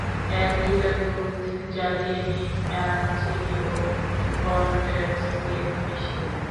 এক লিটার দুধ জ্বালিয়ে নিন এলাচ, চিনি ও কনডেন্স মিল্ক মিশিয়ে।